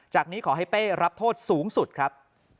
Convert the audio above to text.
นี้ขอให้เป้รับโทษสูงสุดครับ